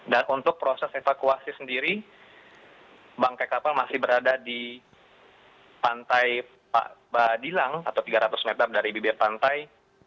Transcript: dan untuk proses evakuasi sendiri bangkai kapal masih berada di pantai badilang atau tiga ratus meter dari bibir pantai